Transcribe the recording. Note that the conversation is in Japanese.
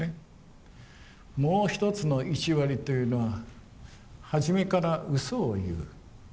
もう一つの１割というのは初めからうそを言う。